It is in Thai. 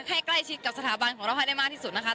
ให้ใกล้ชิดกับสถาบันของเราให้ได้มากที่สุดนะคะ